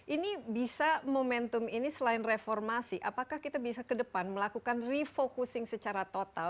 ini bisa momentum ini selain reformasi apakah kita bisa ke depan melakukan refocusing secara total